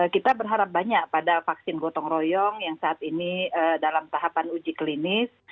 kita berharap banyak pada vaksin gotong royong yang saat ini dalam tahapan uji klinis